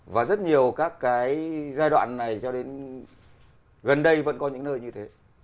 và rất nhiều các cái giai đoạn này cho đến gần đây vẫn có những nơi như thế